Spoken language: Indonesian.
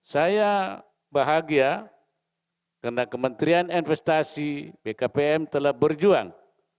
saya bahagia karena kementerian investasi bkpm telah berjuang